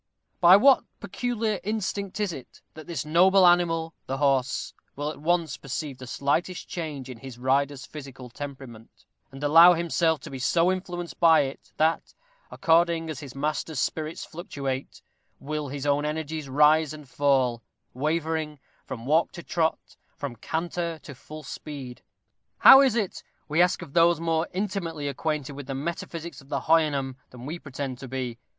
By what peculiar instinct is it that this noble animal, the horse, will at once perceive the slightest change in his rider's physical temperament, and allow himself so to be influenced by it, that, according as his master's spirits fluctuate, will his own energies rise and fall, wavering From walk to trot, from canter to full speed? How is it, we ask of those more intimately acquainted with the metaphysics of the Houyhnhnm than we pretend to be?